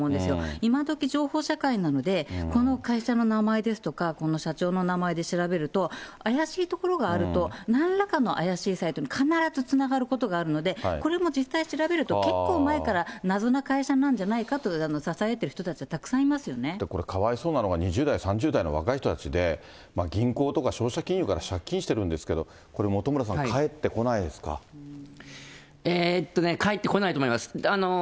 今どき、情報社会なので、この会社の名前ですとか、この社長の名前で調べると、怪しいところがあると、なんらかの怪しいサイトに必ずつながることがあるので、これも実際調べると、結構前から謎の会社なんじゃないかとささやいている人たちはたくこれ、かわいそうなのが２０代３０代の若い人たちで、銀行とか消費者金融から借金してるんですけど、これ本村さん、返ってこないと思います。